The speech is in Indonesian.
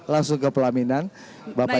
langsung ke pelaminan bapak